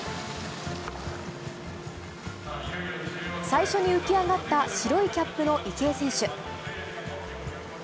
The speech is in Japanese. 最初に浮き上がった白いキャップの池江選手。